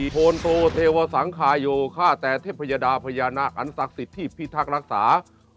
พญาดาพญานาคอันศักดิ์สิทธิ์ที่พิทักษ์รักษา